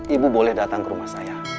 ibu boleh datang ke rumah saya